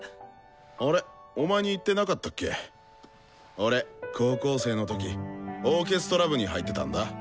俺高校生の時オーケストラ部に入ってたんだ。